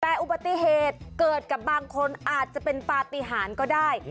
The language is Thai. แต่อุบัติเหตุเกิดกับบางคนอาจจะเป็นปฏิหารก็ได้